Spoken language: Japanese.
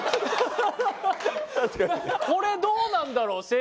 これどうなんだろう？